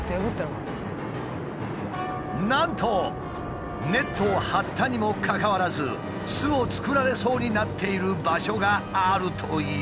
なんとネットを張ったにもかかわらず巣を作られそうになっている場所があるというのだ。